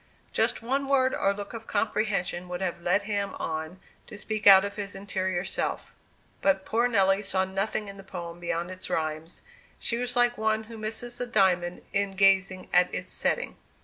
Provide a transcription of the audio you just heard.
Just one word or look of comprehension would have led him on to speak out of his interior self. But poor Nelly saw nothing in the poem beyond its rhymes. She was like one who misses the diamond in gazing at its setting.